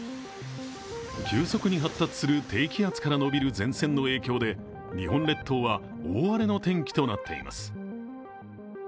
急速に発達する低気圧から伸びる前線の影響で日本列島は大荒れの天気となっています。